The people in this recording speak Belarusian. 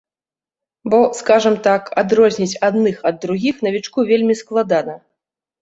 Бо, скажам так, адрозніць адных ад другіх навічку вельмі складана.